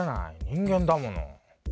人間だもの。